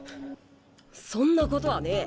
そんなことはねえ。